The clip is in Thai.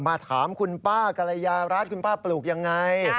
มาถามคุณป้ากรยารัฐคุณป้าปลูกยังไง